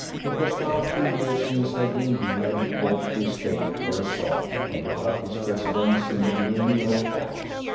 It was now two years since Edwin Leland bought the estate for a song and took up his residence in the gloomy old house.